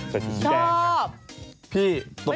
ใส่สูสีแดงครับไม่เหมือนใครเลยพี่ชอบ